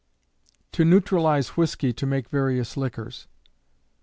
_To Neutralize Whiskey to make various Liquors.